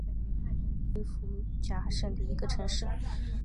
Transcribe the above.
曼弗雷多尼亚是位于义大利南部普利亚大区福贾省的一个城市。